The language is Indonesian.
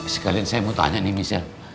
sekalian saya mau tanya nih misalnya